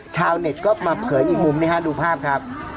ชาวเน็ตก็มาเผยอีกมุมดูภาพครับ